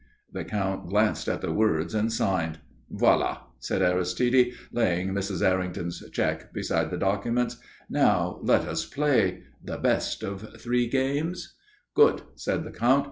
The Count glanced at the words and signed. "Voilà," said Aristide, laying Mrs. Errington's cheque beside the documents. "Now let us play. The best of three games?" "Good," said the Count.